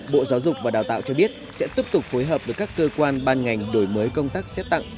bộ giáo dục và đào tạo cho biết sẽ tiếp tục phối hợp với các cơ quan ban ngành đổi mới công tác xét tặng